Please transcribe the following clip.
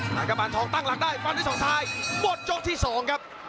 นักกระบานทองตั้งหลักได้ฟันที่สองท้ายหมดโจทย์ที่สองครับ